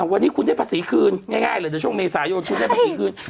วันนี้คุณได้ภาษีคืนง่ายเลยเดี๋ยวช่วงเมษายนคุณได้ภาษีคืน